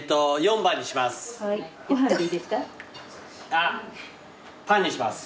あパンにします。